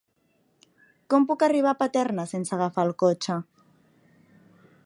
Com puc arribar a Paterna sense agafar el cotxe?